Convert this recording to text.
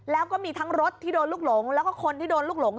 แล้วก็มีทั้งรถที่โดนลูกหลงแล้วก็คนที่โดนลูกหลง